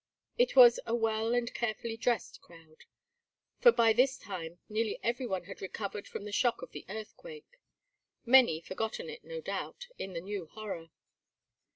It was a well and a carefully dressed crowd, for by this time nearly every one had recovered from the shock of the earthquake; many forgotten it, no doubt, in the new horror.